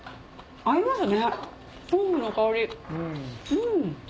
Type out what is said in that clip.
合いますね。